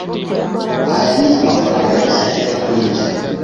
Aya ni amafaranga yose mfite kuri njye.